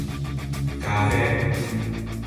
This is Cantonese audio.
咖啡